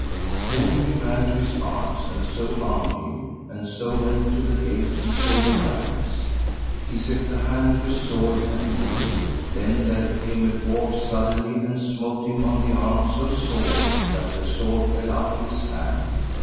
Then he ran to his arms, and so armed him, and so went to the gate and saw the lions. Then set he hand to his sword and drew it. Then there came a dwarf suddenly, and smote him on the arm so sore that the sword fell out of his hand.